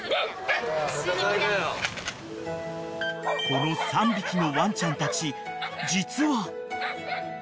［この３匹のワンちゃんたち実は］